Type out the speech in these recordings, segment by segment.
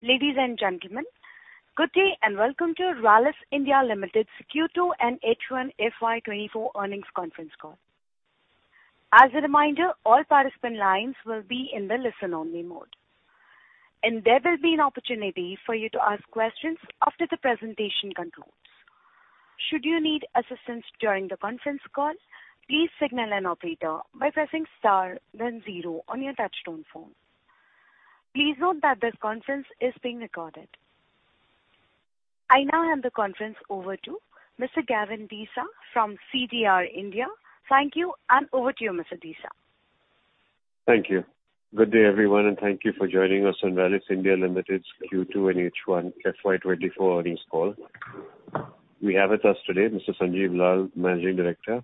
Ladies and gentlemen, good day, and welcome to Rallis India Limited's Q2 and H1 FY 2024 earnings conference call. As a reminder, all participant lines will be in the listen-only mode, and there will be an opportunity for you to ask questions after the presentation concludes. Should you need assistance during the conference call, please signal an operator by pressing star then zero on your touchtone phone. Please note that this conference is being recorded. I now hand the conference over to Mr. Gavin Desa from CDR India. Thank you, and over to you, Mr. Desa. Thank you. Good day, everyone, and thank you for joining us on Rallis India Limited's Q2 and H1 FY 2024 earnings call. We have with us today Mr. Sanjiv Lal, Managing Director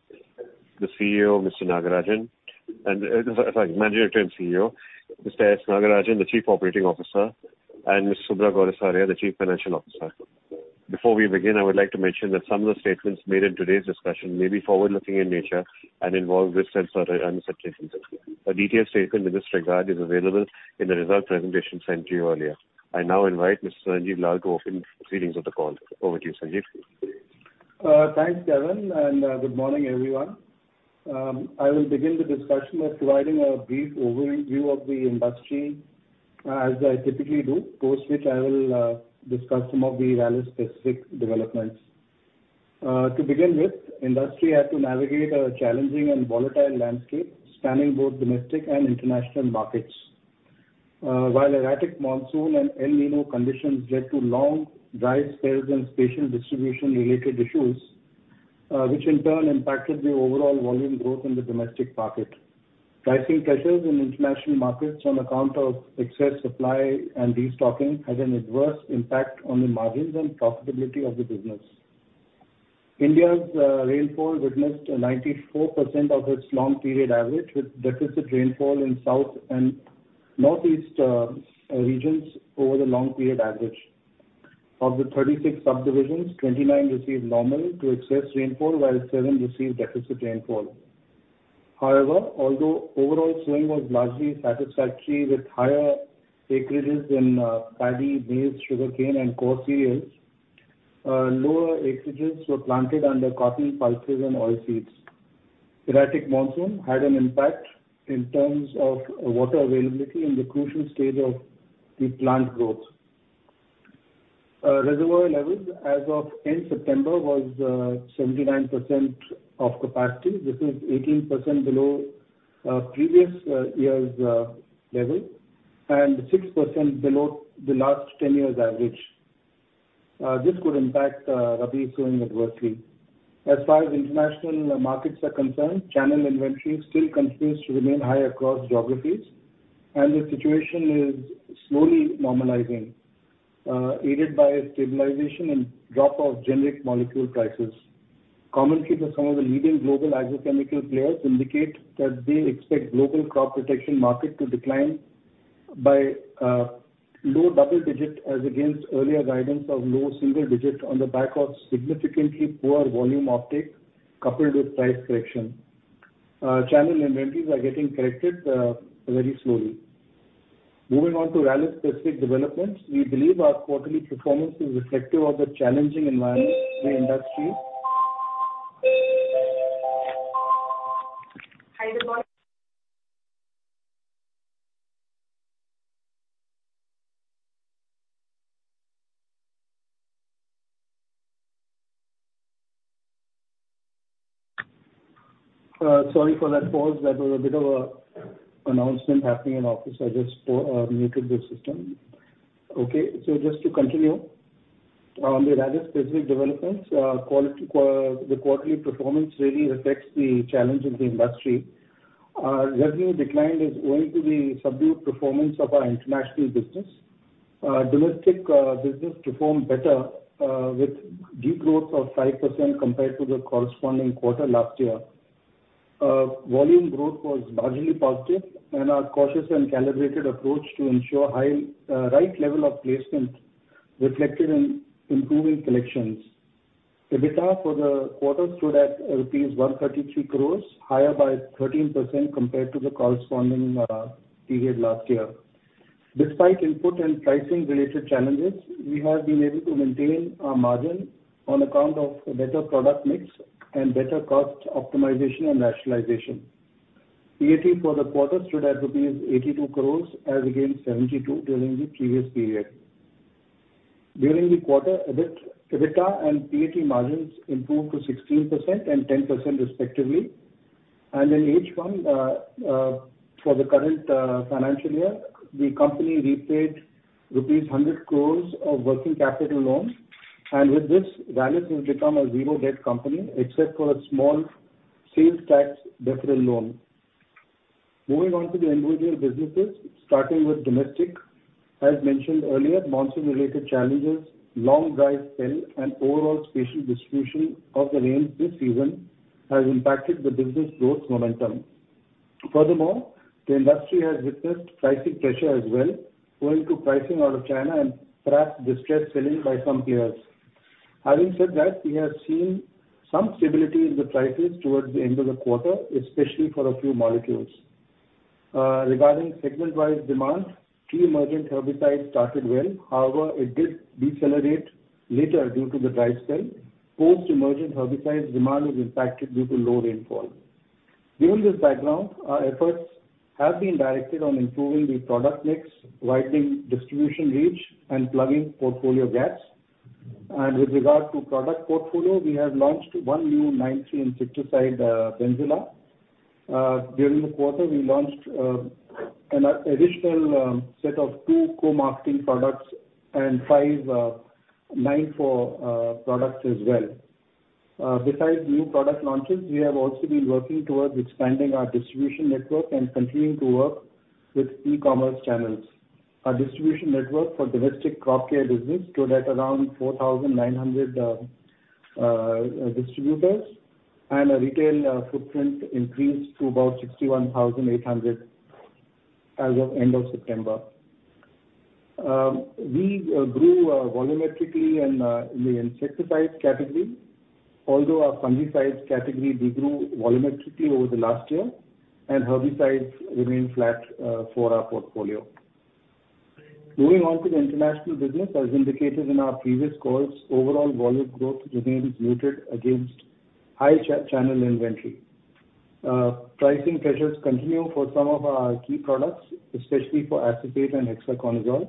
and CEO; Mr. S. Nagarajan, the Chief Operating Officer, and Ms. Subhra Gourisaria, the Chief Financial Officer. Before we begin, I would like to mention that some of the statements made in today's discussion may be forward-looking in nature and involve risks and uncertainties. A detailed statement in this regard is available in the result presentation sent to you earlier. I now invite Mr. Sanjiv Lal to open proceedings of the call. Over to you, Sanjiv. Thanks, Gavin, and good morning, everyone. I will begin the discussion by providing a brief overview of the industry, as I typically do, post which I will discuss some of the Rallis-specific developments. To begin with, industry had to navigate a challenging and volatile landscape, spanning both domestic and international markets. While erratic monsoon and El Niño conditions led to long, dry spells and spatial distribution-related issues, which in turn impacted the overall volume growth in the domestic market. Pricing pressures in international markets on account of excess supply and destocking had an adverse impact on the margins and profitability of the business. India's rainfall witnessed a 94% of its long period average, with deficit rainfall in South and Northeast regions over the long period average. Of the 36 subdivisions, 29 received normal to excess rainfall, while seven received deficit rainfall. However, although overall sowing was largely satisfactory, with higher acreages in paddy, maize, sugarcane, and coarse cereals, lower acreages were planted under cotton, pulses, and oilseeds. Erratic monsoon had an impact in terms of water availability in the crucial stage of the plant growth. Reservoir levels as of end September was 79% of capacity. This is 18% below previous year's level and 6% below the last 10 years' average. This could impact rabi sowing adversely. As far as international markets are concerned, channel inventory still continues to remain high across geographies, and the situation is slowly normalizing, aided by a stabilization and drop of generic molecule prices. Commentaries of some of the leading global agrochemical players indicate that they expect global crop protection market to decline by low double digits as against earlier guidance of low single digits on the back of significantly poor volume optics, coupled with price correction. Channel inventories are getting corrected very slowly. Moving on to Rallis-specific developments, we believe our quarterly performance is reflective of the challenging environment the industry. Hi, good morning. Sorry for that pause. There was a bit of an announcement happening in office. I just muted the system. Okay, so just to continue, on the Rallis-specific developments, the quarterly performance really reflects the challenge of the industry. Revenue decline is owing to the subdued performance of our international business. Domestic business performed better with decent growth of 5% compared to the corresponding quarter last year. Volume growth was marginally positive, and our cautious and calibrated approach to ensure high right level of placement reflected in improving collections. EBITDA for the quarter stood at 133 crore, higher by 13% compared to the corresponding period last year. Despite input and pricing-related challenges, we have been able to maintain our margin on account of a better product mix and better cost optimization and rationalization. PAT for the quarter stood at rupees 82 crore as against 72 crore during the previous period. During the quarter, EBIT, EBITDA, and PAT margins improved to 16% and 10% respectively. In H1, for the current financial year, the company repaid rupees 100 crore of working capital loans. With this, Rallis has become a zero-debt company, except for a small sales tax deferral loan. Moving on to the individual businesses, starting with domestic. As mentioned earlier, monsoon-related challenges, long dry spell, and overall spatial distribution of the rains this season has impacted the business growth momentum. Furthermore, the industry has witnessed pricing pressure as well, owing to pricing out of China and perhaps distressed selling by some players. Having said that, we have seen some stability in the prices towards the end of the quarter, especially for a few molecules. Regarding segment-wise demand, pre-emergent herbicides started well, however, it did decelerate later due to the dry spell. Post-emergent herbicides demand was impacted due to low rainfall. Given this background, our efforts have been directed on improving the product mix, widening distribution reach, and plugging portfolio gaps. With regard to product portfolio, we have launched one new nine chain insecticide, Benzilla. During the quarter, we launched an additional set of two co-marketing products and five nine four products as well. Besides new product launches, we have also been working towards expanding our distribution network and continuing to work with e-commerce channels. Our distribution network for domestic crop care business stood at around 4,900 distributors, and our retail footprint increased to about 61,800 as of end of September. We grew volumetrically in the insecticide category, although our fungicides category de-grew volumetrically over the last year, and herbicides remained flat for our portfolio. Moving on to the international business, as indicated in our previous calls, overall volume growth remains muted against high channel inventory. Pricing pressures continue for some of our key products, especially for Acephate and Hexaconazole.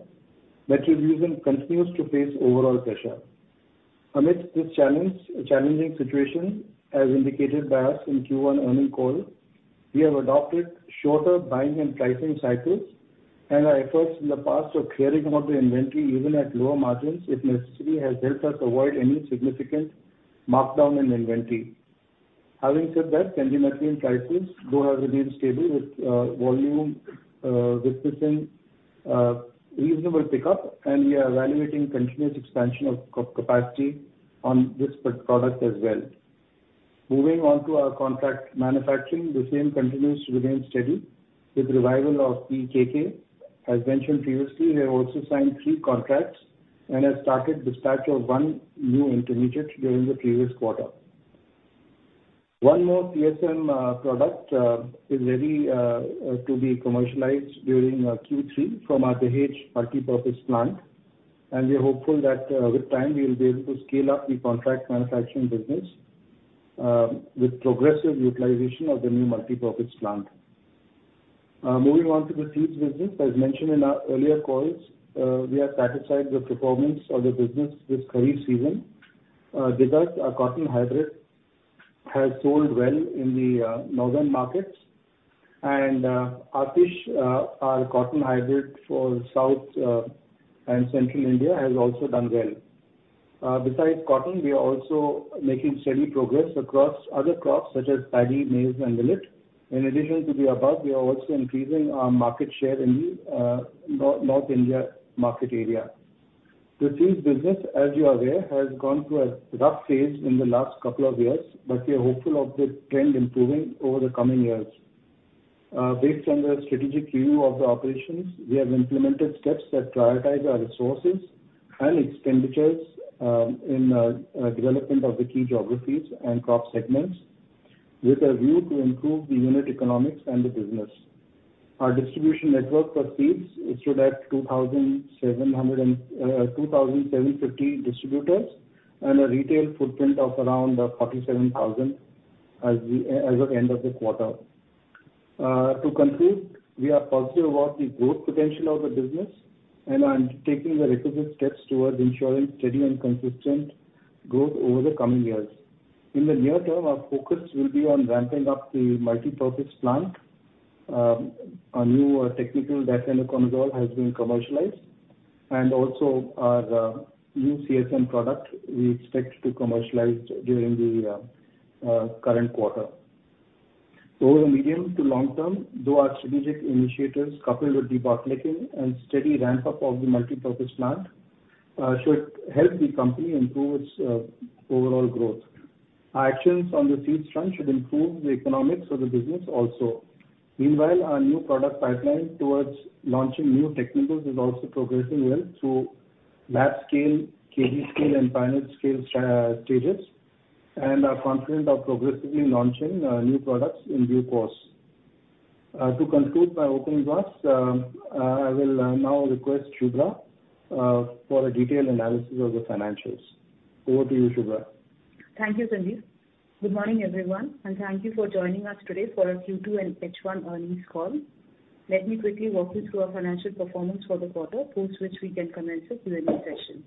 Metribuzin continues to face overall pressure. Amidst this challenge, challenging situation, as indicated by us in Q1 earnings call, we have adopted shorter buying and pricing cycles, and our efforts in the past of clearing out the inventory, even at lower margins, if necessary, has helped us avoid any significant markdown in inventory. Having said that, Pendimethalin prices though have remained stable with volume witnessing reasonable pickup, and we are evaluating continuous expansion of capacity on this product as well. Moving on to our contract manufacturing, the same continues to remain steady with revival of the PEKK. As mentioned previously, we have also signed three contracts and have started dispatch of one new intermediate during the previous quarter. One more CSM product is ready to be commercialized during Q3 from our Dahej multipurpose plant, and we are hopeful that with time we will be able to scale up the contract manufacturing business with progressive utilization of the new multipurpose plant. Moving on to the Seeds business. As mentioned in our earlier calls, we are satisfied with the performance of the business this Kharif season. Desh, our cotton hybrid, has sold well in the northern markets, and Aatish, our cotton hybrid for South and Central India, has also done well. Besides cotton, we are also making steady progress across other crops such as paddy, maize, and millet. In addition to the above, we are also increasing our market share in the North India market area. The Seeds business, as you are aware, has gone through a rough phase in the last couple of years, but we are hopeful of the trend improving over the coming years. Based on the strategic view of the operations, we have implemented steps that prioritize our resources and expenditures in development of the key geographies and crop segments, with a view to improve the unit economics and the business. Our distribution network for Seeds, it stood at 2,700 and 2,750 distributors and a retail footprint of around 47,000 as of end of the quarter. To conclude, we are positive about the growth potential of the business and are taking the requisite steps towards ensuring steady and consistent growth over the coming years. In the near term, our focus will be on ramping up the multipurpose plant. Our new technical difenoconazole has been commercialized, and also our new CSM product we expect to commercialize during the current quarter. Over the medium to long term, though our strategic initiatives, coupled with deep pipeline and steady ramp-up of the multipurpose plant, should help the company improve its overall growth. Our actions on the Seeds front should improve the economics of the business also. Meanwhile, our new product pipeline towards launching new technicals is also progressing well through lab scale, kg scale, and pilot scale stages, and are confident of progressively launching new products in due course. To conclude my opening remarks, I will now request Subhra for a detailed analysis of the financials. Over to you, Subhra. Thank you, Sanjiv. Good morning, everyone, and thank you for joining us today for our Q2 and H1 earnings call. Let me quickly walk you through our financial performance for the quarter, post which we can commence the Q&A session.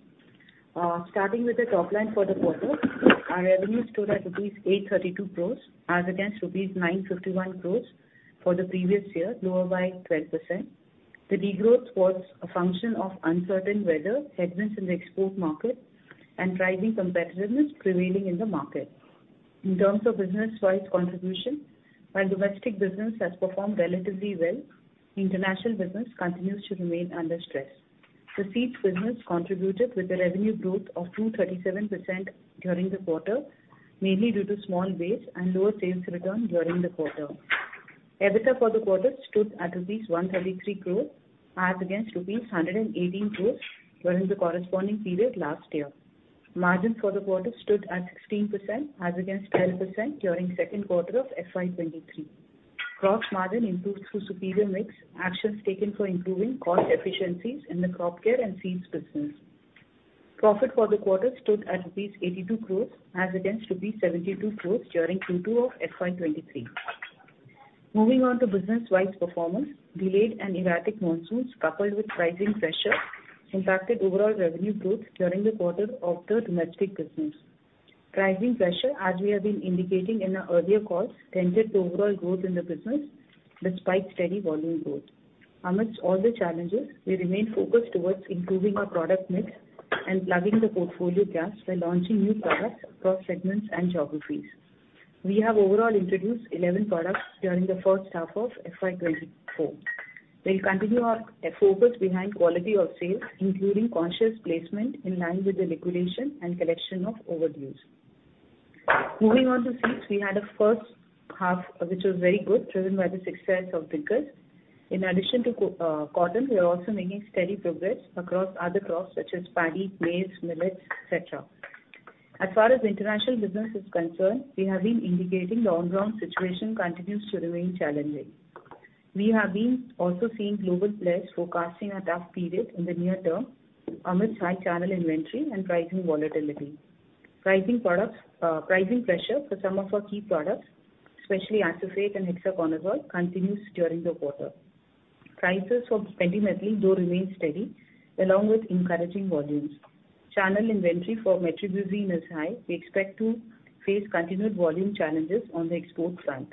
Starting with the top line for the quarter, our revenue stood at rupees 832 crore as against rupees 951 crore for the previous year, lower by 12%. The degrowth was a function of uncertain weather, headwinds in the export market, and rising competitiveness prevailing in the market. In terms of business-wise contribution, while domestic business has performed relatively well, international business continues to remain under stress. The Seeds business contributed with a revenue growth of 237% during the quarter, mainly due to small base and lower sales return during the quarter.... EBITDA for the quarter stood at INR 133 crore, as against INR 118 crore during the corresponding period last year. Margins for the quarter stood at 16%, as against 10% during second quarter of FY 2023. Gross margin improved through superior mix, actions taken for improving cost efficiencies in the crop care and seeds business. Profit for the quarter stood at rupees 82 crore, as against rupees 72 crore during Q2 of FY 2023. Moving on to business-wise performance, delayed and erratic monsoons, coupled with pricing pressure, impacted overall revenue growth during the quarter of the domestic business. Pricing pressure, as we have been indicating in our earlier calls, tended to overall growth in the business despite steady volume growth. Amidst all the challenges, we remain focused towards improving our product mix and plugging the portfolio gaps by launching new products across segments and geographies. We have overall introduced 11 products during the first half of FY 2024. We'll continue our focus behind quality of sales, including conscious placement in line with the regulation and collection of overdues. Moving on to seeds, we had a first half which was very good, driven by the success of Diggaz. In addition to cotton, we are also making steady progress across other crops such as paddy, maize, millets, et cetera. As far as international business is concerned, we have been indicating the on-ground situation continues to remain challenging. We have been also seeing global players forecasting a tough period in the near term amidst high channel inventory and pricing volatility. Pricing products, pricing pressure for some of our key products, especially Acephate and Hexaconazole, continues during the quarter. Prices for metribuzin though remain steady, along with encouraging volumes. Channel inventory for metribuzin is high. We expect to face continued volume challenges on the export front.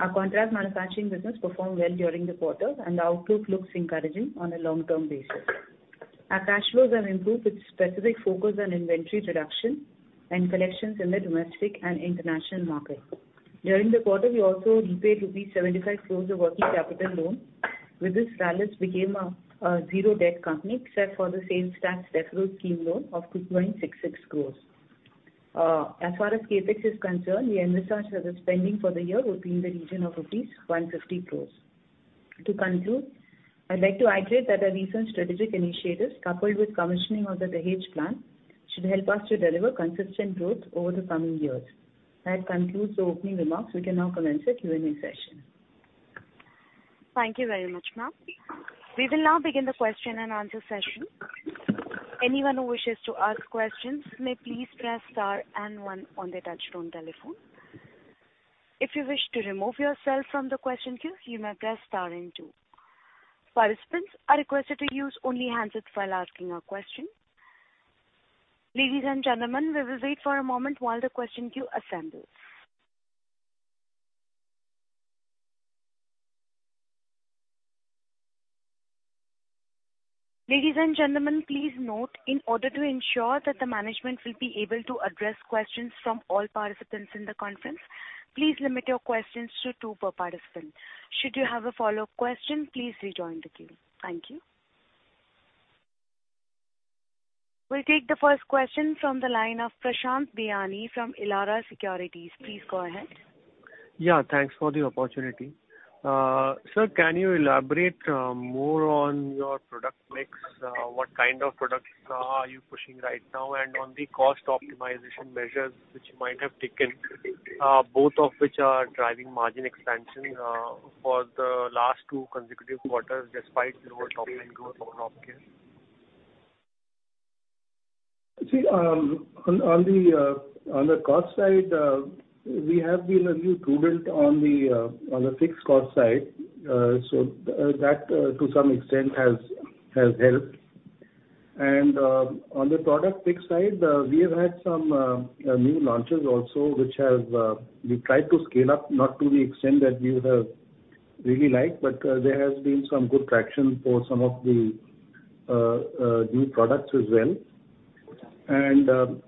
Our contract manufacturing business performed well during the quarter, and the outlook looks encouraging on a long-term basis. Our cash flows have improved with specific focus on inventory reduction and collections in the domestic and international market. During the quarter, we also repaid rupees 75 crores of working capital loan. With this, Rallis became a zero-debt company, except for the sales tax deferral scheme loan of 2.66 crores. As far as CapEx is concerned, we envisage that the spending for the year will be in the region of rupees 150 crores. To conclude, I'd like to iterate that our recent strategic initiatives, coupled with commissioning of the Dahej plant, should help us to deliver consistent growth over the coming years. That concludes the opening remarks. We can now commence the Q&A session. Thank you very much, ma'am. We will now begin the question and answer session. Anyone who wishes to ask questions may please press star and one on their touchtone telephone. If you wish to remove yourself from the question queue, you may press star and two. Participants are requested to use only handsets while asking a question. Ladies and gentlemen, we will wait for a moment while the question queue assembles. Ladies and gentlemen, please note, in order to ensure that the management will be able to address questions from all participants in the conference, please limit your questions to two per participant. Should you have a follow-up question, please rejoin the queue. Thank you. We'll take the first question from the line of Prashant Biyani from Elara Securities. Please go ahead. Yeah, thanks for the opportunity. Sir, can you elaborate more on your product mix? What kind of products are you pushing right now? And on the cost optimization measures, which you might have taken, both of which are driving margin expansion for the last two consecutive quarters, despite lower top-line growth for crop care. See, on the cost side, we have been a little prudent on the fixed cost side. So, that to some extent has helped. And, on the product mix side, we have had some new launches also, which have we tried to scale up, not to the extent that we would have really liked, but, there has been some good traction for some of the new products as well. And,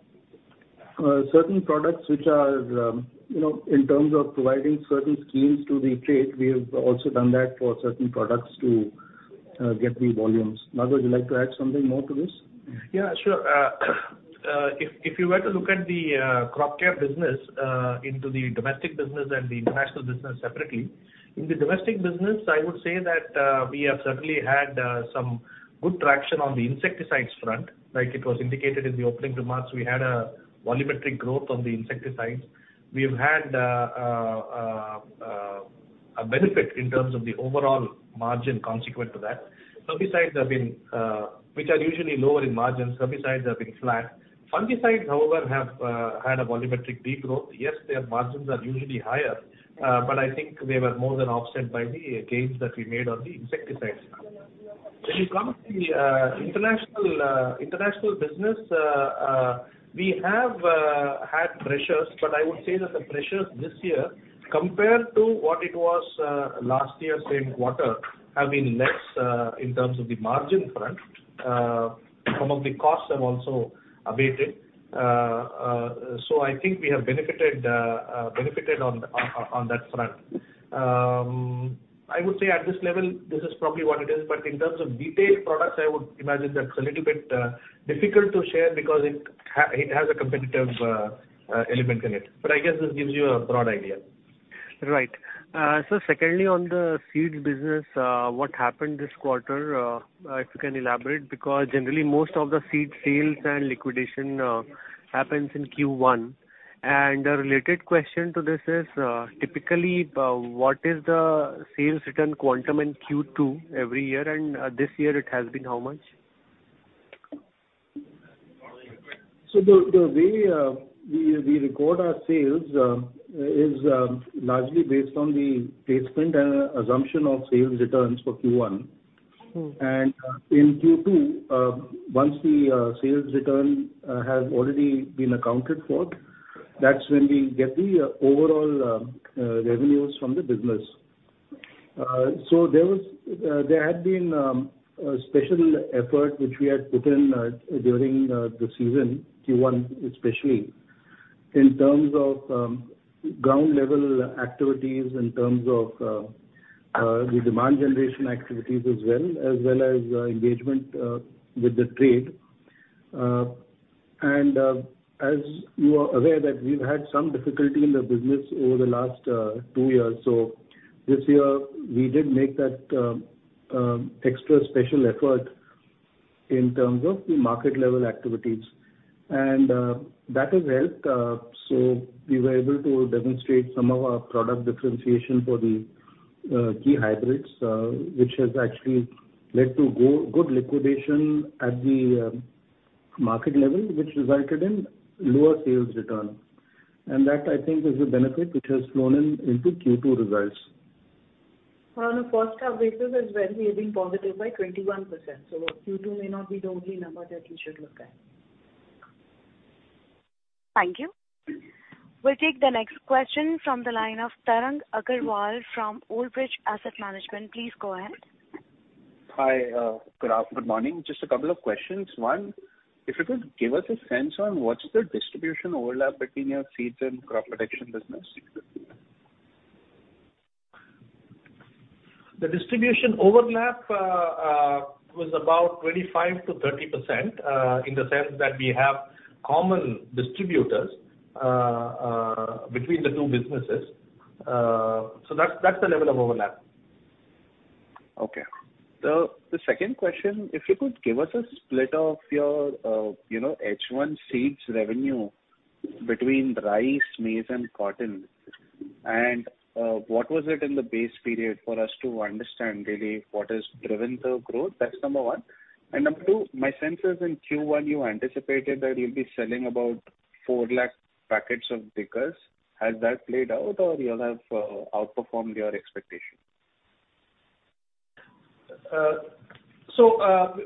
certain products which are, you know, in terms of providing certain schemes to the trade, we have also done that for certain products to get the volumes. Nagarajan, would you like to add something more to this? Yeah, sure. If you were to look at the crop care business into the domestic business and the international business separately, in the domestic business, I would say that we have certainly had some good traction on the insecticides front. Like it was indicated in the opening remarks, we had a volumetric growth on the insecticides. We have had a benefit in terms of the overall margin consequent to that. Fungicides have been, which are usually lower in margin, fungicides have been flat. Fungicides, however, have had a volumetric deep growth. Yes, their margins are usually higher, but I think they were more than offset by the gains that we made on the insecticides front. When you come to the international business, we have had pressures, but I would say that the pressures this year, compared to what it was last year same quarter, have been less in terms of the margin front. Some of the costs have also abated. So I think we have benefited on that front.... I would say at this level, this is probably what it is. But in terms of detailed products, I would imagine that's a little bit difficult to share because it has a competitive element in it. But I guess this gives you a broad idea. Right. So secondly, on the seeds business, what happened this quarter, if you can elaborate, because generally most of the seed sales and liquidation happens in Q1. And a related question to this is, typically, what is the sales return quantum in Q2 every year, and this year it has been how much? So the way we record our sales is largely based on the placement and assumption of sales returns for Q1. Mm. In Q2, once the sales return has already been accounted for, that's when we get the overall revenues from the business. So there had been a special effort which we had put in during the season, Q1 especially, in terms of ground-level activities, in terms of the demand generation activities as well, as well as engagement with the trade. And, as you are aware, that we've had some difficulty in the business over the last two years. So this year, we did make that extra special effort in terms of market-level activities, and that has helped. So we were able to demonstrate some of our product differentiation for the key hybrids, which has actually led to good liquidation at the market level, which resulted in lower sales return. And that, I think, is a benefit which has flown in into Q2 results. On a first half basis as well, we have been positive by 21%, so Q2 may not be the only number that you should look at. Thank you. We'll take the next question from the line of Tarang Agrawal from Old Bridge Asset Management. Please go ahead. Hi, good morning. Just a couple of questions. One, if you could give us a sense on what's the distribution overlap between your seeds and crop protection business? The distribution overlap was about 25%-30% in the sense that we have common distributors between the two businesses. So that's, that's the level of overlap. Okay. So the second question, if you could give us a split of your, you know, H1 seeds revenue between rice, maize, and cotton, and, what was it in the base period for us to understand really what has driven the growth? That's number one. And number two, my sense is in Q1, you anticipated that you'll be selling about 4 lakh packets of Diggaz. Has that played out, or you have, outperformed your expectations?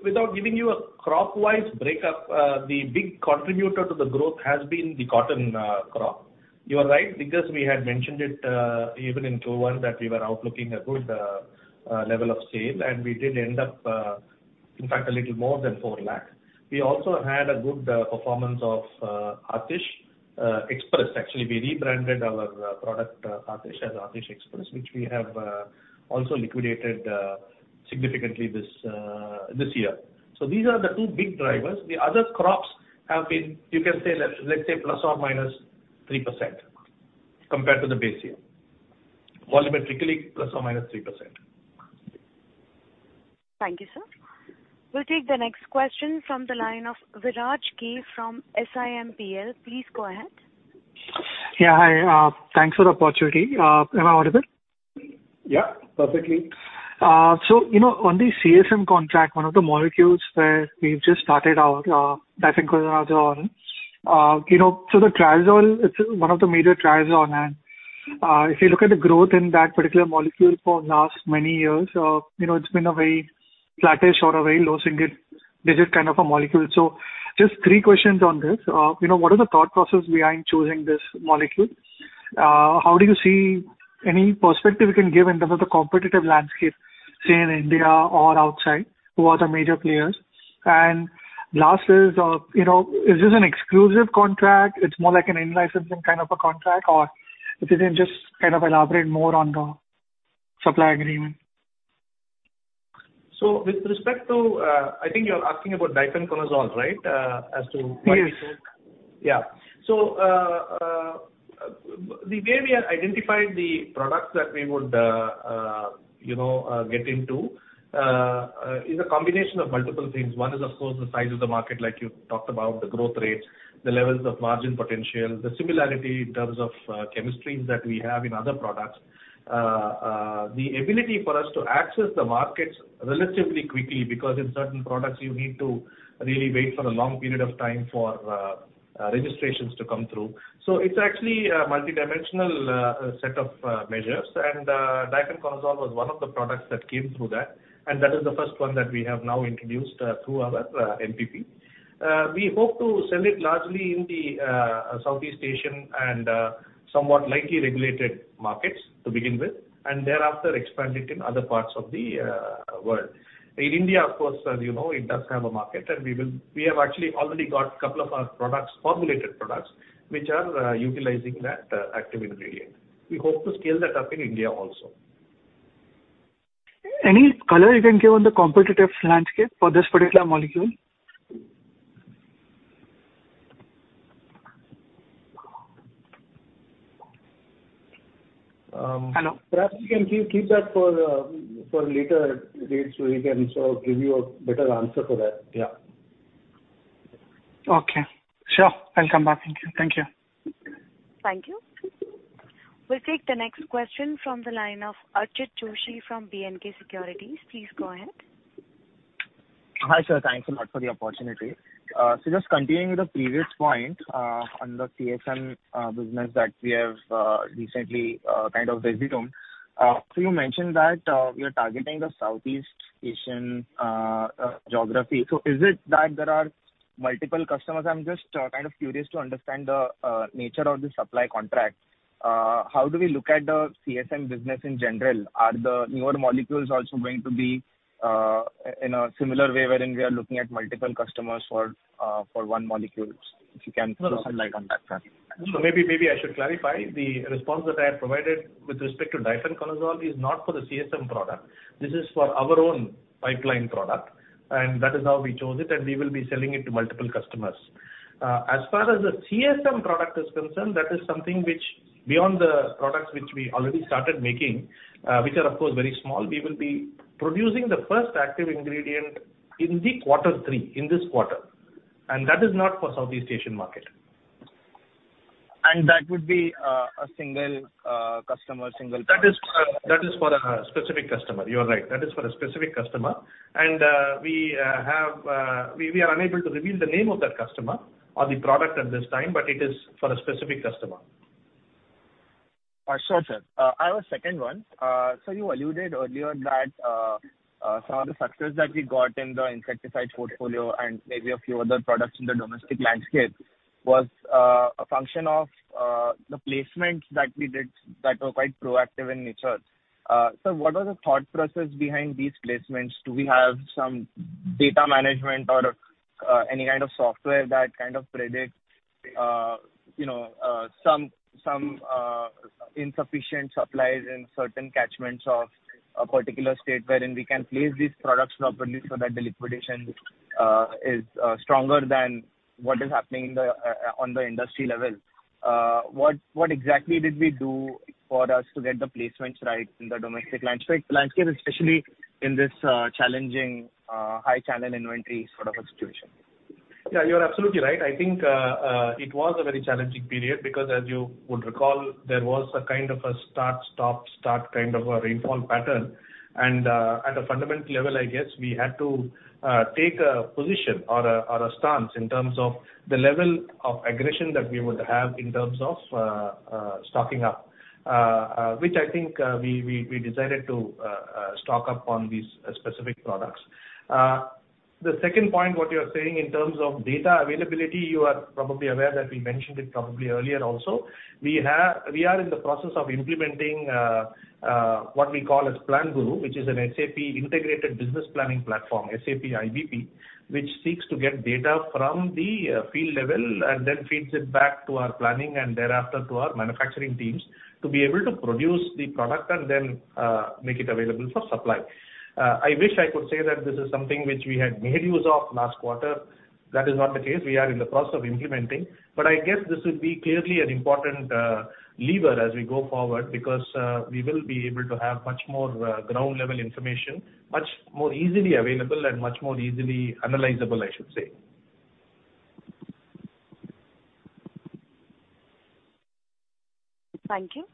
Without giving you a crop-wise breakup, the big contributor to the growth has been the cotton crop. You are right, because we had mentioned it even in Q1, that we were outlooking a good level of sale, and we did end up in fact a little more than 4 lakh. We also had a good performance of Aatish Express. Actually, we rebranded our product Aatish as Aatish Express, which we have also liquidated significantly this year. So these are the two big drivers. The other crops have been, you can say that, let's say ±3% compared to the base year. Volumetrically, ±3%. Thank you, sir. We'll take the next question from the line of Viraj K from SiMPL. Please go ahead. Yeah, hi. Thanks for the opportunity. Am I audible? Yeah, perfectly. So, you know, on the CSM contract, one of the molecules where we've just started out, difenoconazole, you know, so the triazole, it's one of the major triazole. And, if you look at the growth in that particular molecule for last many years, you know, it's been a very flattish or a very low single digit kind of a molecule. So just three questions on this. You know, what is the thought process behind choosing this molecule? How do you see any perspective you can give in terms of the competitive landscape, say, in India or outside, who are the major players? And last is, you know, is this an exclusive contract? It's more like an in-licensing kind of a contract, or if you can just kind of elaborate more on the supply agreement. So with respect to, I think you're asking about Difenoconazole, right? As to- Yes. Yeah. So, the way we have identified the products that we would, you know, get into, is a combination of multiple things. One is, of course, the size of the market, like you talked about, the growth rates, the levels of margin potential, the similarity in terms of, chemistries that we have in other products. The ability for us to access the markets relatively quickly, because in certain products you need to really wait for a long period of time for, registrations to come through. So it's actually a multidimensional, set of, measures, and, Difenoconazole was one of the products that came through that, and that is the first one that we have now introduced, through our, MPP. We hope to sell it largely in the Southeast Asian and somewhat lightly regulated markets to begin with, and thereafter expand it in other parts of the world. In India, of course, as you know, it does have a market, and we have actually already got a couple of our products, formulated products, which are utilizing that active ingredient. We hope to scale that up in India also.... Any color you can give on the competitive landscape for this particular molecule? Hello? Perhaps we can keep that for later date, so we can sort of give you a better answer for that. Yeah. Okay. Sure, I'll come back. Thank you. Thank you. We'll take the next question from the line of Archit Joshi from B&K Securities. Please go ahead. Hi, sir. Thanks a lot for the opportunity. So just continuing with the previous point, on the CSM business that we have, recently, kind of visited on. So you mentioned that, we are targeting the Southeast Asian geography. So is it that there are multiple customers? I'm just kind of curious to understand the nature of the supply contract. How do we look at the CSM business in general? Are the newer molecules also going to be in a similar way, wherein we are looking at multiple customers for for one molecules? If you can shed some light on that front. So maybe, maybe I should clarify. The response that I have provided with respect to Difenoconazole is not for the CSM product. This is for our own pipeline product, and that is how we chose it, and we will be selling it to multiple customers. As far as the CSM product is concerned, that is something which, beyond the products which we already started making, which are of course very small, we will be producing the first active ingredient in the quarter three, in this quarter, and that is not for Southeast Asian market. And that would be a single- That is for, that is for a specific customer. You are right. That is for a specific customer, and we are unable to reveal the name of that customer or the product at this time, but it is for a specific customer. Sure, sir. I have a second one. So you alluded earlier that some of the success that we got in the insecticide portfolio and maybe a few other products in the domestic landscape was a function of the placements that we did that were quite proactive in nature. So what was the thought process behind these placements? Do we have some data management or any kind of software that kind of predicts, you know, some insufficient supplies in certain catchments of a particular state, wherein we can place these products properly so that the liquidation is stronger than what is happening on the industry level? What exactly did we do for us to get the placements right in the domestic landscape, especially in this challenging high channel inventory sort of a situation? Yeah, you're absolutely right. I think, it was a very challenging period, because as you would recall, there was a kind of a start, stop, start kind of a rainfall pattern. And, at a fundamental level, I guess we had to take a position or a stance in terms of the level of aggression that we would have in terms of stocking up, which I think we decided to stock up on these specific products. The second point, what you're saying in terms of data availability, you are probably aware that we mentioned it probably earlier also. We are in the process of implementing what we call as Plan Guru, which is an SAP integrated business planning platform, SAP IBP, which seeks to get data from the field level and then feeds it back to our planning, and thereafter to our manufacturing teams, to be able to produce the product and then make it available for supply. I wish I could say that this is something which we had made use of last quarter. That is not the case. We are in the process of implementing. But I guess this would be clearly an important lever as we go forward, because we will be able to have much more ground level information, much more easily available and much more easily analyzable, I should say. Thank you.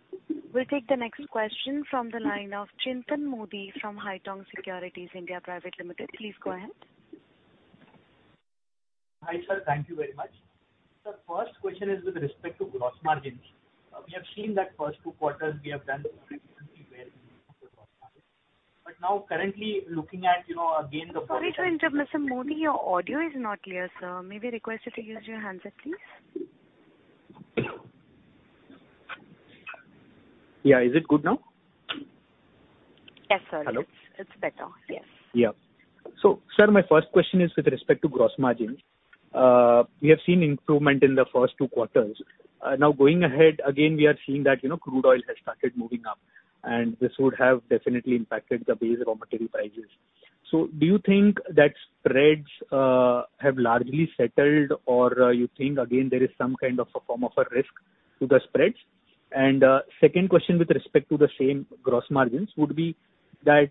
We'll take the next question from the line of Chintan Modi, from Haitong Securities India Private Limited. Please go ahead. Hi, sir. Thank you very much. The first question is with respect to gross margins. We have seen that first two quarters, we have done very well. But now currently looking at, you know, again, the- Sorry to interrupt, Mr. Modi, your audio is not clear, sir. May we request you to use your handset, please? Yeah. Is it good now? Yes, sir. Hello? It's better. Yes. Yeah. So, sir, my first question is with respect to gross margin. We have seen improvement in the first two quarters. Now, going ahead again, we are seeing that, you know, crude oil has started moving up, and this would have definitely impacted the base raw material prices. So do you think that spreads have largely settled, or, you think again, there is some kind of a form of a risk to the spreads? And, second question with respect to the same gross margins would be that,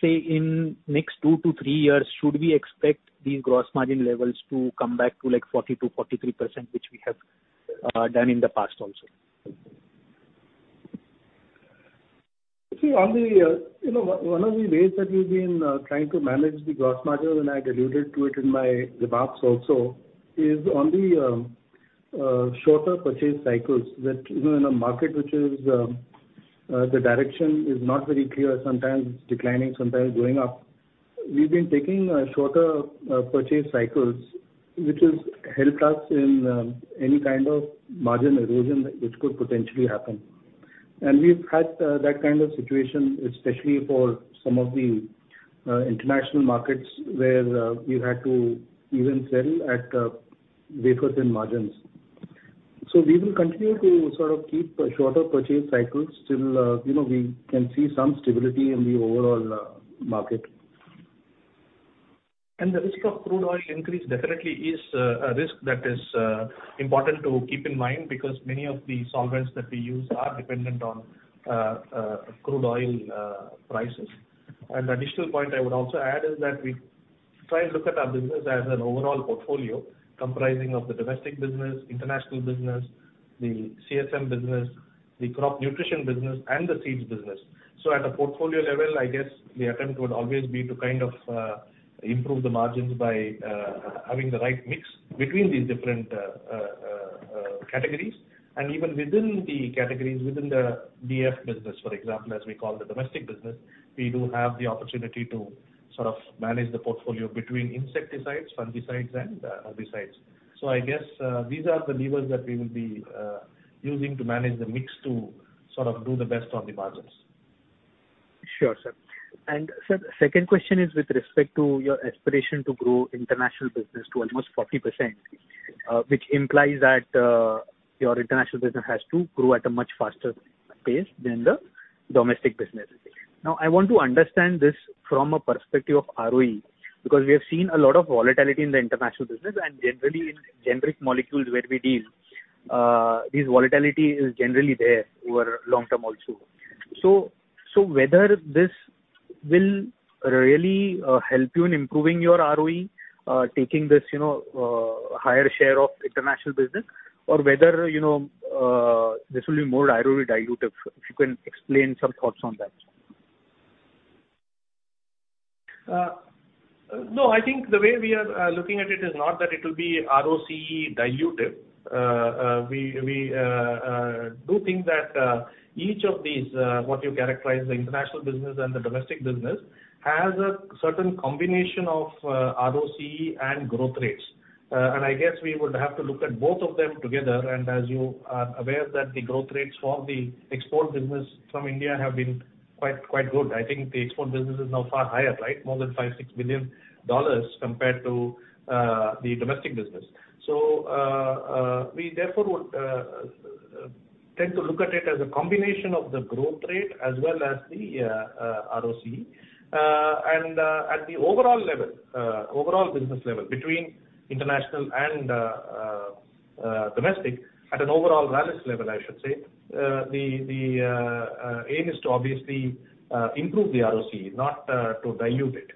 say, in next two to three years, should we expect the gross margin levels to come back to, like, 40%-43%, which we have done in the past also? See, on the, you know, one of the ways that we've been trying to manage the gross margin, and I alluded to it in my remarks also, is on the shorter purchase cycles, that, you know, in a market which is the direction is not very clear, sometimes it's declining, sometimes going up. We've been taking shorter purchase cycles, which has helped us in any kind of margin erosion that which could potentially happen. We've had that kind of situation, especially for some of the international markets, where we've had to even sell at wafer-thin margins. ... So we will continue to sort of keep a shorter purchase cycle till you know we can see some stability in the overall market. The risk of crude oil increase definitely is a risk that is important to keep in mind, because many of the solvents that we use are dependent on crude oil prices. The additional point I would also add is that we try and look at our business as an overall portfolio, comprising of the domestic business, international business, the CSM business, the crop nutrition business, and the seeds business. At a portfolio level, I guess the attempt would always be to kind of improve the margins by having the right mix between these different categories. Even within the categories, within the DF business, for example, as we call the domestic business, we do have the opportunity to sort of manage the portfolio between insecticides, fungicides, and herbicides. I guess these are the levers that we will be using to manage the mix to sort of do the best on the margins. Sure, sir. And sir, second question is with respect to your aspiration to grow international business to almost 40%, which implies that your international business has to grow at a much faster pace than the domestic business. Now, I want to understand this from a perspective of ROE, because we have seen a lot of volatility in the international business, and generally in generic molecules where we deal, this volatility is generally there over long term also. So, whether this will really help you in improving your ROE, taking this, you know, higher share of international business, or whether, you know, this will be more ROE dilutive? If you can explain some thoughts on that. No, I think the way we are looking at it is not that it will be ROCE dilutive. We do think that each of these what you characterize the international business and the domestic business has a certain combination of ROCE and growth rates. And I guess we would have to look at both of them together, and as you are aware, that the growth rates for the export business from India have been quite, quite good. I think the export business is now far higher, right? More than $5-$6 billion compared to the domestic business. So we therefore would tend to look at it as a combination of the growth rate as well as the ROCE. At the overall level, overall business level, between international and domestic, at an overall Rallis level, I should say, the aim is to obviously improve the ROCE, not to dilute it.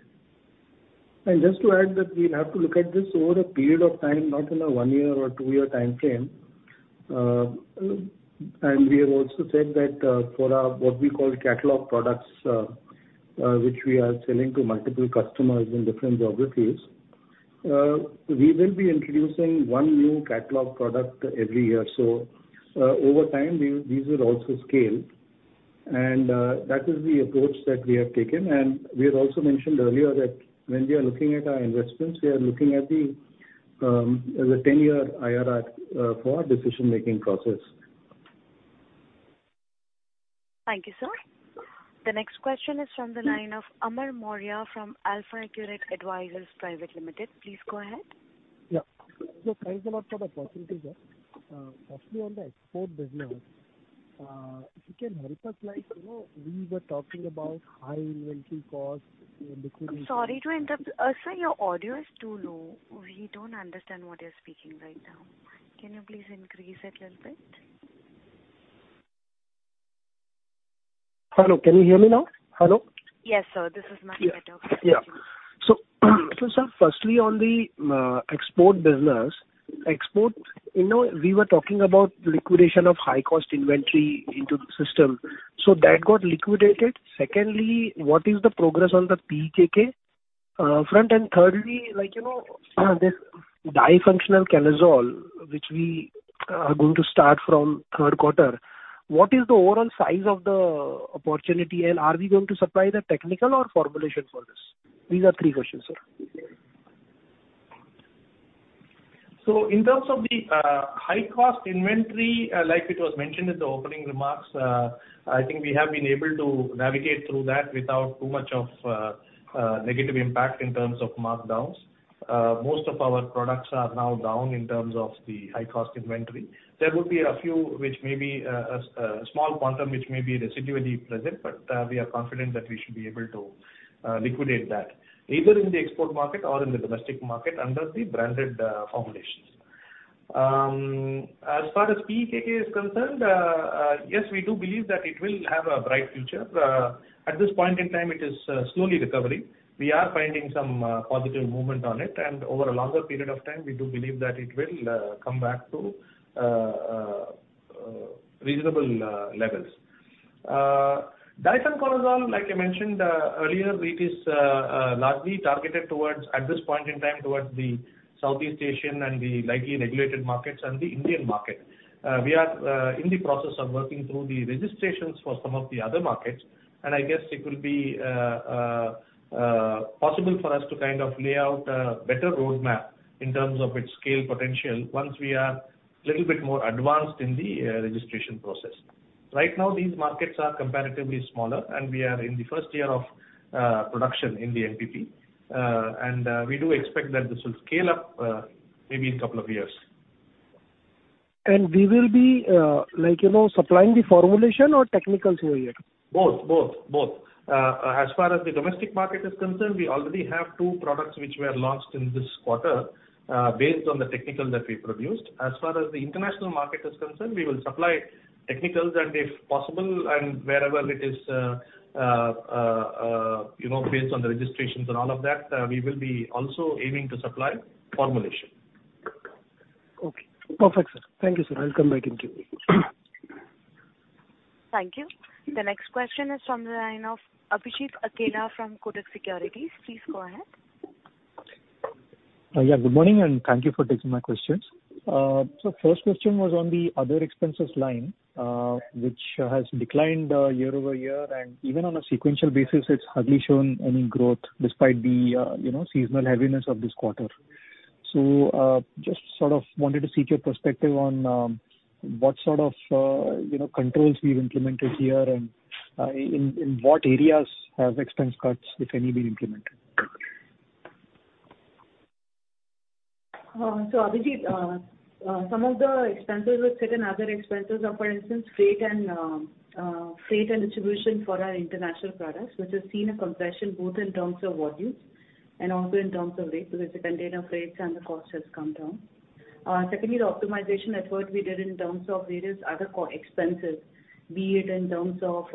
And just to add that we have to look at this over a period of time, not in a one-year or two-year timeframe. And we have also said that, for our, what we call catalog products, which we are selling to multiple customers in different geographies, we will be introducing one new catalog product every year. So, over time, these will also scale, and that is the approach that we have taken. And we had also mentioned earlier that when we are looking at our investments, we are looking at the ten-year IRR for our decision-making process. Thank you, sir. The next question is from the line of Amar Maurya from AlfAccurate Advisors Private Limited. Please go ahead. Yeah. So thanks a lot for the opportunity, sir. Firstly, on the export business, if you can help us, like, you know, we were talking about high inventory costs, liquidity- I'm sorry to interrupt. Sir, your audio is too low. We don't understand what you're speaking right now. Can you please increase it a little bit? Hello, can you hear me now? Hello. Yes, sir, this is Maggie again. Yeah. Yeah. So, sir, firstly on the export business. Export, you know, we were talking about liquidation of high-cost inventory into the system, so that got liquidated. Secondly, what is the progress on the PKK front? And thirdly, like, you know, this Difenoconazole, which we are going to start from third quarter, what is the overall size of the opportunity, and are we going to supply the technical or formulation for this? These are three questions, sir. So in terms of the high-cost inventory, like it was mentioned in the opening remarks, I think we have been able to navigate through that without too much of negative impact in terms of markdowns. Most of our products are now down in terms of the high-cost inventory. There would be a few, which may be a small quantum, which may be residually present, but we are confident that we should be able to liquidate that either in the export market or in the domestic market under the branded formulations. As far as PKK is concerned, yes, we do believe that it will have a bright future. At this point in time, it is slowly recovering. We are finding some positive movement on it, and over a longer period of time, we do believe that it will come back to reasonable levels. Difenoconazole, like I mentioned earlier, it is largely targeted towards, at this point in time, towards the Southeast Asian and the lightly regulated markets and the Indian market. We are in the process of working through the registrations for some of the other markets, and I guess it will be possible for us to kind of lay out a better roadmap in terms of its scale potential once we are little bit more advanced in the registration process. Right now, these markets are comparatively smaller, and we are in the first year of production in the MPP. We do expect that this will scale up, maybe in couple of years. We will be, like, you know, supplying the formulation or technicals over here? Both. As far as the domestic market is concerned, we already have two products which were launched in this quarter, based on the technical that we produced. As far as the international market is concerned, we will supply technicals, and if possible, and wherever it is, you know, based on the registrations and all of that, we will be also aiming to supply formulation. Okay. Perfect, sir. Thank you, sir. I'll come back in queue. Thank you. The next question is from the line of Abhijit Akela from Kotak Securities. Please go ahead. Yeah, good morning, and thank you for taking my questions. So first question was on the other expenses line, which has declined year-over-year. And even on a sequential basis, it's hardly shown any growth despite the, you know, seasonal heaviness of this quarter. So just sort of wanted to seek your perspective on what sort of, you know, controls we've implemented here, and in what areas has expense cuts, if any, been implemented? So Abhijit, some of the expenses with certain other expenses are, for instance, freight and freight and distribution for our international products, which has seen a compression both in terms of volumes and also in terms of rates, because the container rates and the cost has come down. Secondly, the optimization effort we did in terms of various other co-expenses, be it in terms of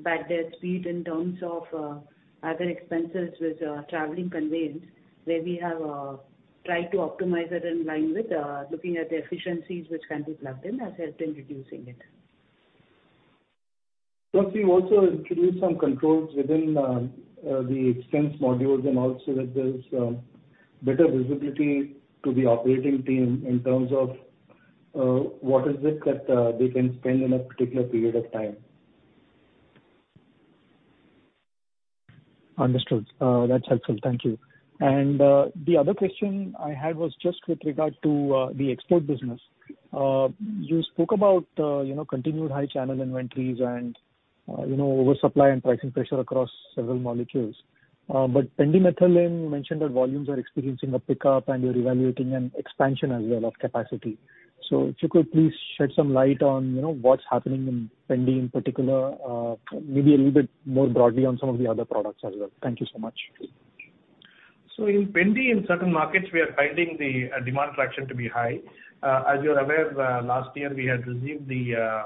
bad debts, be it in terms of other expenses with traveling conveyance, where we have tried to optimize that in line with looking at the efficiencies which can be plugged in, has helped in reducing it. Plus, we've also introduced some controls within the expense modules and also that there's better visibility to the operating team in terms of what they can spend in a particular period of time. Understood. That's helpful. Thank you. And, the other question I had was just with regard to the export business. You spoke about, you know, continued high channel inventories and, you know, oversupply and pricing pressure across several molecules. But Pendimethalin, you mentioned that volumes are experiencing a pickup, and you're evaluating an expansion as well of capacity. So if you could please shed some light on, you know, what's happening in Pendimethalin in particular, maybe a little bit more broadly on some of the other products as well. Thank you so much. So in Pendi, in certain markets, we are finding the demand traction to be high. As you're aware, last year, we had received the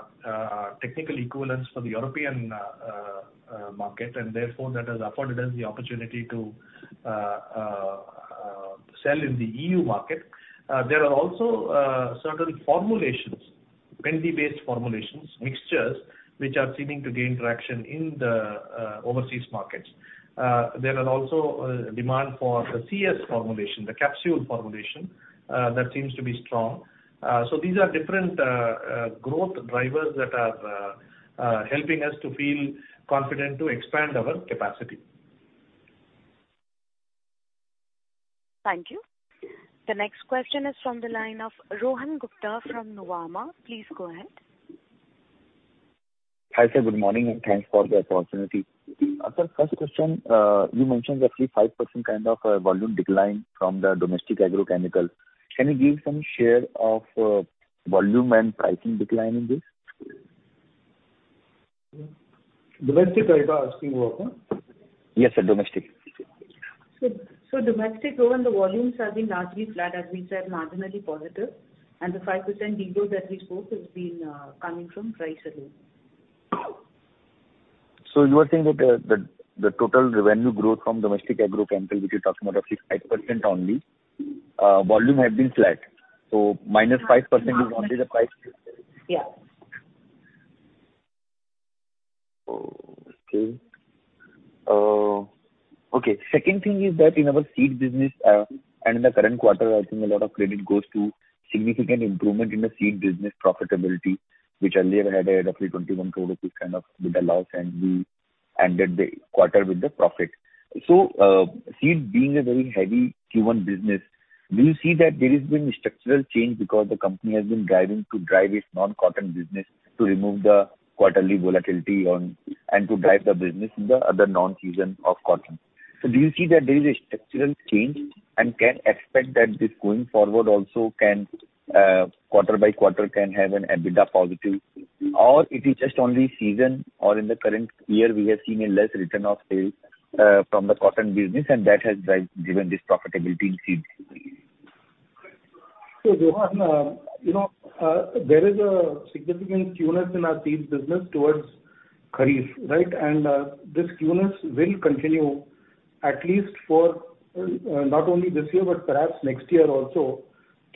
technical equivalence for the European market, and therefore, that has afforded us the opportunity to sell in the EU market. There are also certain formulations, Pendi-based formulations, mixtures, which are seeming to gain traction in the overseas markets. There are also demand for the CS formulation, the capsule formulation, that seems to be strong. So these are different growth drivers that are helping us to feel confident to expand our capacity. Thank you. The next question is from the line of Rohan Gupta from Nuvama. Please go ahead. Hi, sir. Good morning, and thanks for the opportunity. Sir, first question, you mentioned roughly 5% kind of volume decline from the domestic agrochemicals. Can you give some share of volume and pricing decline in this? Domestic, are you asking about? Yes, sir, domestic. So, domestic, Rohan, the volumes have been largely flat, as we said, marginally positive, and the 5% de-growth that we spoke has been coming from price alone. So you are saying that the total revenue growth from domestic agrochemicals, which you're talking about, is 5% only. Volume has been flat, so minus 5%- Yeah. Is only the price? Yeah. Oh, okay. Okay, second thing is that in our seed business, and in the current quarter, I think a lot of credit goes to significant improvement in the seed business profitability, which earlier had a roughly 21 crore rupees, which kind of with a loss, and we ended the quarter with the profit. So, seed being a very heavy Q1 business, do you see that there has been structural change because the company has been driving to drive its non-cotton business to remove the quarterly volatility on, and to drive the business in the other non-season of cotton? So do you see that there is a structural change and can expect that this going forward also can, quarter by quarter, can have an EBITDA positive? Or is it just only seasonal, or in the current year, we have seen a less return of sales from the cotton business, and that has driven this profitability in seeds? So, Rohan, you know, there is a significant Q1 in our seeds business towards Kharif, right? This Q1 will continue at least for, not only this year, but perhaps next year also,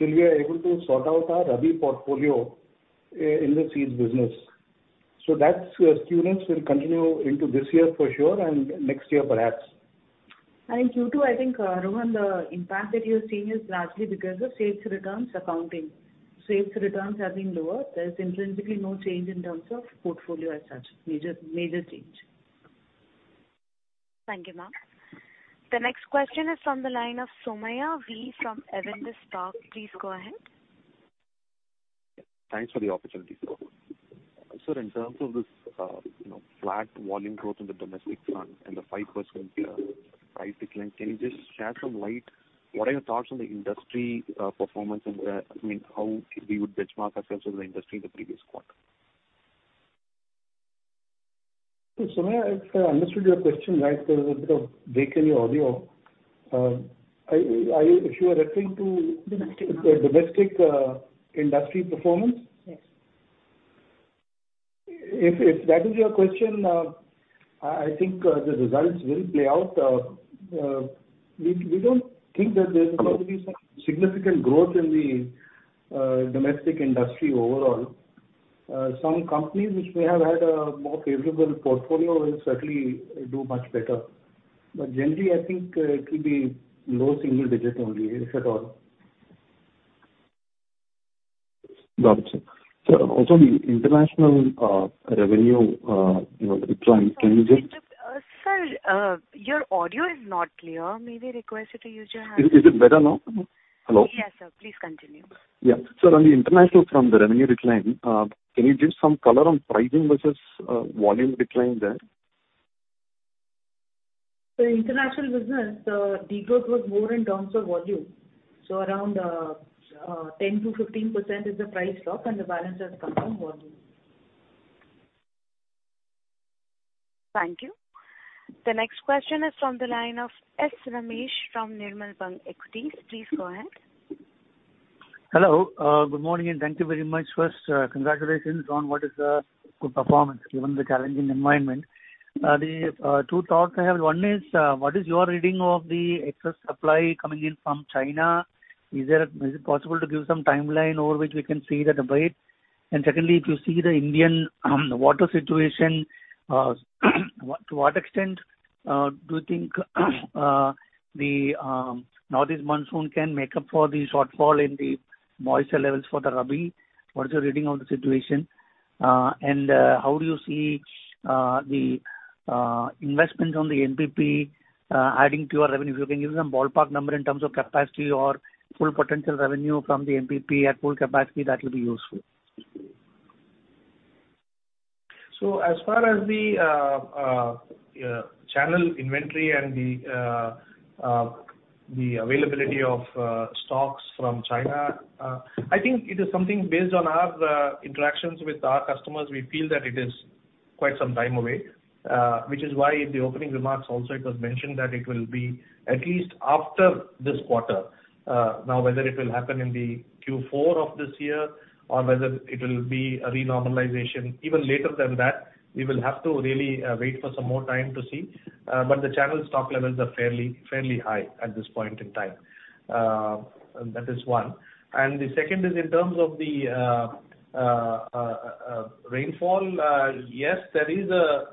till we are able to sort out our Rabi portfolio in the seeds business. So that's, Q1 will continue into this year for sure, and next year, perhaps. Q2, I think, Rohan, the impact that you're seeing is largely because of sales returns accounting. Sales returns have been lower. There is intrinsically no change in terms of portfolio as such, major, major change.... Thank you, ma'am. The next question is from the line of Somaiah V from Avendus Spark. Please go ahead. Thanks for the opportunity. So, sir, in terms of this, you know, flat volume growth in the domestic front and the 5%, price decline, can you just shed some light, what are your thoughts on the industry, performance, and, I mean, how we would benchmark ourselves with the industry in the previous quarter? So Somaiah, if I understood your question right, there was a bit of break in your audio. If you are referring to- Domestic. The domestic, industry performance? Yes. If that is your question, I think the results will play out. We don't think that there is going to be some significant growth in the domestic industry overall. Some companies which may have had a more favorable portfolio will certainly do much better. But generally, I think it will be low single digit only, if at all. Got it, sir. So also the international revenue, you know, the decline, can you just- Sir, your audio is not clear. May we request you to use your headphones? Is it better now? Hello. Yes, sir. Please continue. Yeah. Sir, on the international front, the revenue decline, can you give some color on pricing versus, volume decline there? The international business, the decline was more in terms of volume, so around 10%-15% is the price drop, and the balance has come from volume. Thank you. The next question is from the line of S. Ramesh from Nirmal Bang Equities. Please go ahead. Hello, good morning, and thank you very much. First, congratulations on what is a good performance, given the challenging environment. The two thoughts I have. One is, what is your reading of the excess supply coming in from China? Is there is it possible to give some timeline over which we can see that subside? And secondly, if you see the Indian water situation, what to what extent do you think the northeast monsoon can make up for the shortfall in the moisture levels for the Rabi? What is your reading of the situation? And how do you see the investments on the MPP adding to your revenue? If you can give some ballpark number in terms of capacity or full potential revenue from the MPP at full capacity, that will be useful. So as far as the channel inventory and the availability of stocks from China, I think it is something based on our interactions with our customers, we feel that it is quite some time away, which is why in the opening remarks also it was mentioned that it will be at least after this quarter. Now, whether it will happen in the Q4 of this year, or whether it will be a renormalization even later than that, we will have to really wait for some more time to see. But the channel stock levels are fairly, fairly high at this point in time. That is one. And the second is in terms of the rainfall. Yes, there is a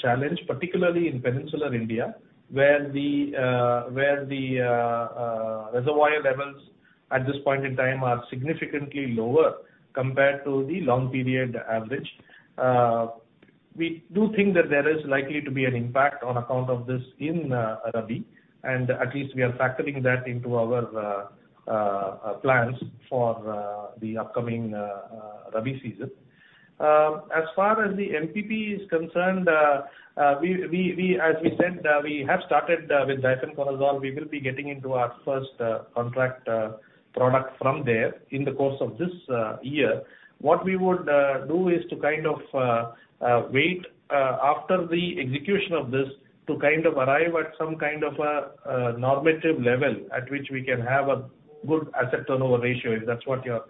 challenge, particularly in peninsular India, where the reservoir levels at this point in time are significantly lower compared to the long period average. We do think that there is likely to be an impact on account of this in Rabi, and at least we are factoring that into our plans for the upcoming Rabi season. As far as the MPP is concerned, we, as we said, we have started with difenoconazole. We will be getting into our first contract product from there in the course of this year. What we would do is to kind of wait after the execution of this, to kind of arrive at some kind of a normative level at which we can have a good asset turnover ratio, if that's what you're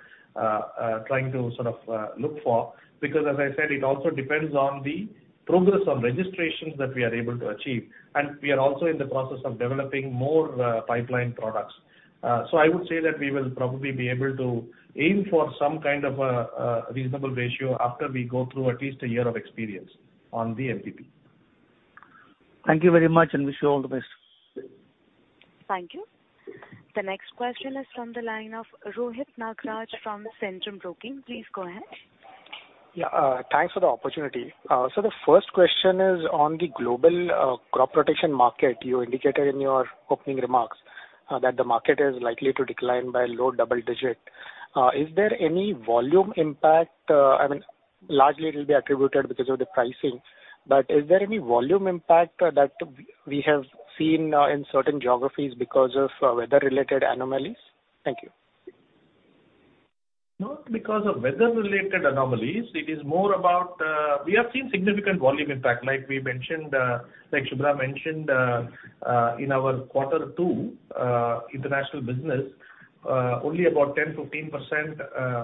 trying to sort of look for. Because as I said, it also depends on the progress of registrations that we are able to achieve, and we are also in the process of developing more pipeline products. So I would say that we will probably be able to aim for some kind of a reasonable ratio after we go through at least a year of experience on the MPP. Thank you very much, and wish you all the best. Thank you. The next question is from the line of Rohit Nagraj from Centrum Broking. Please go ahead. Yeah, thanks for the opportunity. So the first question is on the global crop protection market. You indicated in your opening remarks that the market is likely to decline by low double digit. Is there any volume impact? I mean, largely it will be attributed because of the pricing, but is there any volume impact that we have seen in certain geographies because of weather-related anomalies? Thank you. Not because of weather-related anomalies. It is more about... We have seen significant volume impact, like we mentioned, like Subhra mentioned, in our Quarter Two international business, only about 10-15%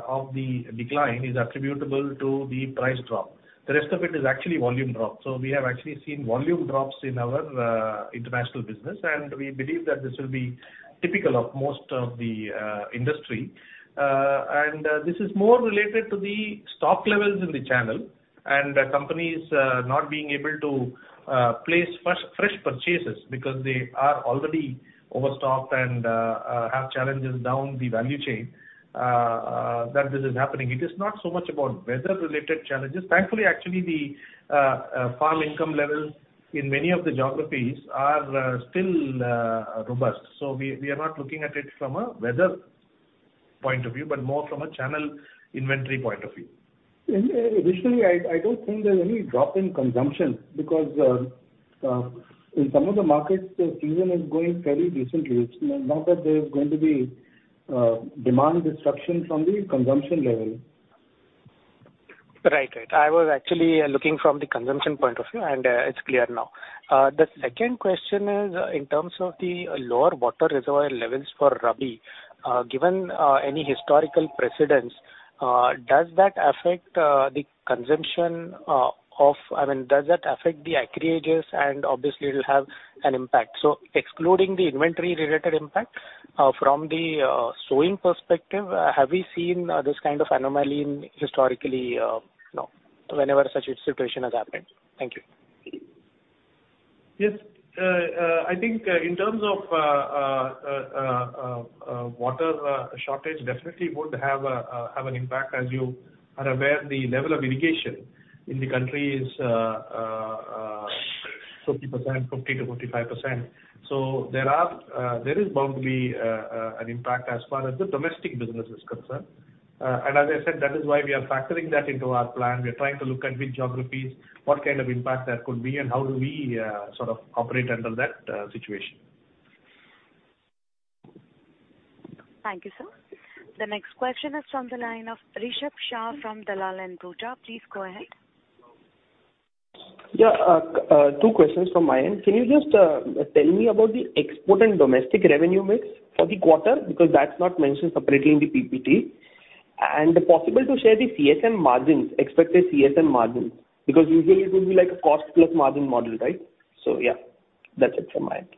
of the decline is attributable to the price drop. The rest of it is actually volume drop. So we have actually seen volume drops in our international business, and we believe that this will be typical of most of the industry. And this is more related to the stock levels in the channel and the companies not being able to place fresh purchases because they are already overstocked and have challenges down the value chain that this is happening. It is not so much about weather-related challenges. Thankfully, actually, the farm income levels in many of the geographies are still robust. So we are not looking at it from a weather perspective point of view, but more from a channel inventory point of view. Additionally, I don't think there's any drop in consumption, because, in some of the markets, the season is going fairly decently. It's not that there's going to be, demand disruption from the consumption level. Right. Right. I was actually looking from the consumption point of view, and it's clear now. The second question is, in terms of the lower water reservoir levels for Rabi, given any historical precedents, does that affect the consumption—I mean, does that affect the acreages? And obviously, it'll have an impact. So excluding the inventory-related impact, from the sowing perspective, have we seen this kind of anomaly in historically, you know, whenever such a situation has happened? Thank you. Yes. I think, in terms of, water shortage, definitely would have a, have an impact. As you are aware, the level of irrigation in the country is 40%, 50 to 45%. So there are, there is bound to be, an impact as far as the domestic business is concerned. And as I said, that is why we are factoring that into our plan. We are trying to look at which geographies, what kind of impact that could be, and how do we, sort of operate under that, situation. Thank you, sir. The next question is from the line of Rishabh Shah from Dalal & Broacha. Please go ahead. Yeah, two questions from my end. Can you just tell me about the export and domestic revenue mix for the quarter? Because that's not mentioned separately in the PPT. And possible to share the CSM margins, expected CSM margins, because usually it will be like a cost-plus margin model, right? So yeah, that's it from my end.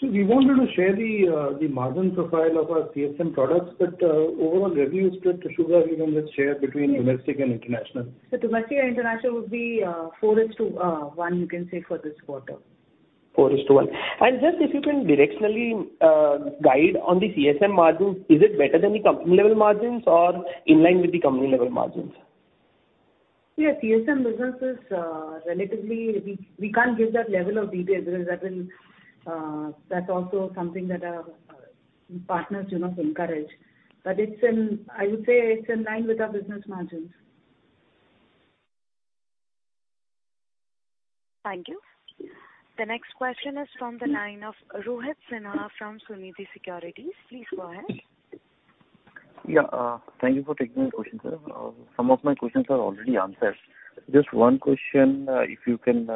So we wanted to share the, the margin profile of our CSM products, but, overall revenue split to sugar, you know, let's share between domestic and international. The domestic and international would be 4:1, you can say, for this quarter. 4:1. And just if you can directionally guide on the CSM margins, is it better than the company-level margins or in line with the company-level margins? Yeah, CSM business is relatively... We can't give that level of detail, because that will, that's also something that our partners do not encourage. But it's in, I would say, it's in line with our business margins. Thank you. The next question is from the line of Rohit Sinha from Sunidhi Securities. Please go ahead. Yeah, thank you for taking my question, sir. Some of my questions are already answered. Just one question, if you can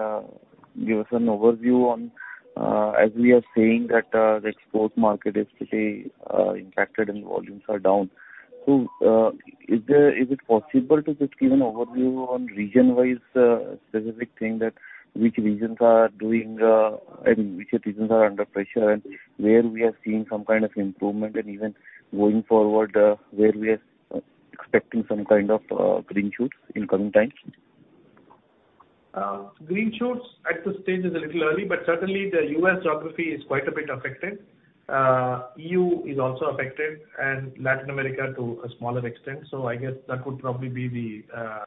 give us an overview on, as we are saying, that the export market is today impacted and the volumes are down. So, is it possible to just give an overview on region-wise specific thing that which regions are doing, and which regions are under pressure, and where we are seeing some kind of improvement? And even going forward, where we are expecting some kind of green shoots in coming times. Green shoots at this stage is a little early, but certainly the U.S. geography is quite a bit affected. E.U. is also affected and Latin America to a smaller extent. So I guess that would probably be the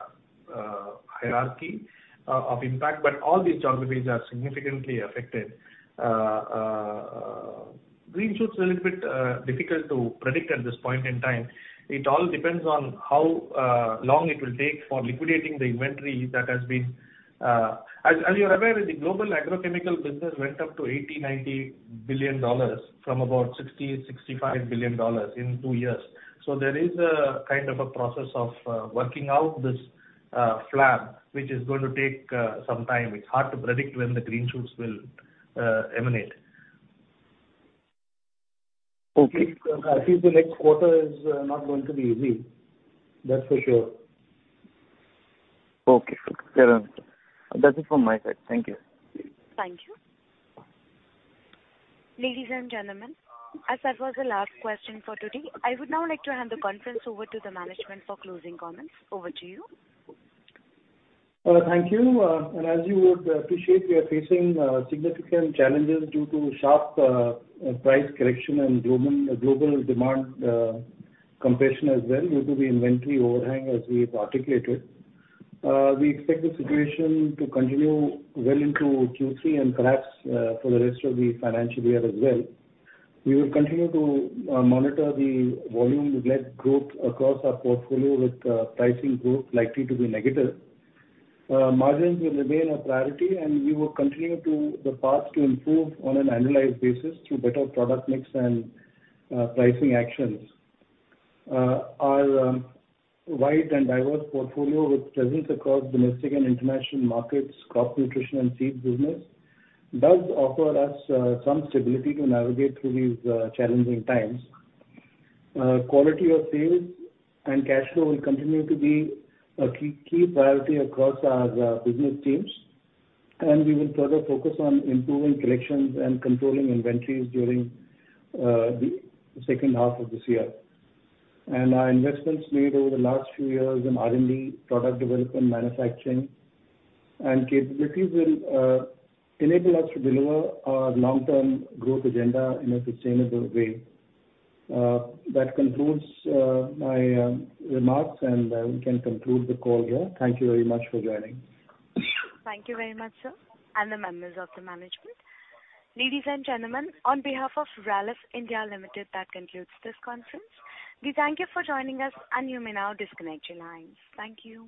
hierarchy of impact. But all these geographies are significantly affected. Green shoots is a little bit difficult to predict at this point in time. It all depends on how long it will take for liquidating the inventory that has been... As you're aware, the global agrochemical business went up to $80-$90 billion from about $60-$65 billion in two years. So there is a kind of a process of working out this flab, which is going to take some time. It's hard to predict when the green shoots will emanate. Okay. I think the next quarter is not going to be easy. That's for sure. Okay. Clear answer. That's it from my side. Thank you. Thank you. Ladies and gentlemen, as that was the last question for today, I would now like to hand the conference over to the management for closing comments. Over to you. Thank you. As you would appreciate, we are facing significant challengesdue to sharp price correction and global, global demand compression as well, due to the inventory overhang, as we have articulated. We expect the situation to continue well into Q3 and perhaps for the rest of the financial year as well. We will continue to monitor the volume-led growth across our portfolio, with pricing growth likely to be negative. Margins will remain our priority, and we will continue to the path to improve on an annualized basis through better product mix and pricing actions. Our wide and diverse portfolio, with presence across domestic and international markets, crop nutrition and seeds business, does offer us some stability to navigate through these challenging times. Quality of sales and cash flow will continue to be a key, key priority across our business teams, and we will further focus on improving collections and controlling inventories during the second half of this year. Our investments made over the last few years in R&D, product development, manufacturing, and capabilities will enable us to deliver our long-term growth agenda in a sustainable way. That concludes my remarks, and we can conclude the call here. Thank you very much for joining. Thank you very much, sir, and the members of the management. Ladies and gentlemen, on behalf of Rallis India Limited, that concludes this conference. We thank you for joining us, and you may now disconnect your lines. Thank you.